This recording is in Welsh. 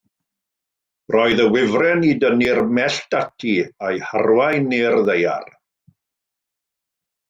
Roedd y wifren i dynnu'r mellt ati a'u harwain i'r ddaear.